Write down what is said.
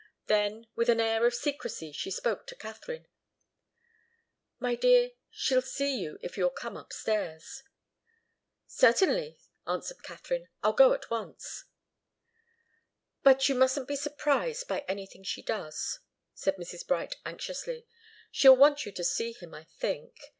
Then, with an air of secrecy, she spoke to Katharine. "My dear, she'll see you if you'll come upstairs." "Certainly," answered Katharine. "I'll go at once." "But you mustn't be surprised by anything she does," said Mrs. Bright, anxiously. "She'll want you to see him, I think.